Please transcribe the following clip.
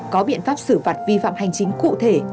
có biện pháp xử phạt vi phạm hành chính cụ thể